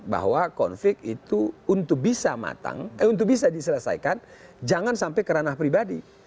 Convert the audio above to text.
bahwa konflik itu untuk bisa diselesaikan jangan sampai kerana pribadi